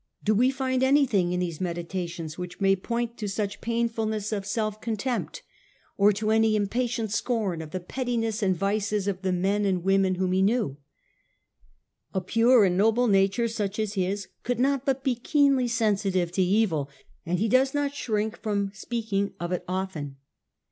Do we find anything in these Meditations which may point to such painfulness i 47 » 8 o . Marcus Aurelius Antoninus, 117 of self contempt, or to any impatient scorn of the pettiness and vices of the men and women whom he knew ? A pure and noble nature such as his could not but be keenly sensitive to evil, and he does not shrink from speaking of it often.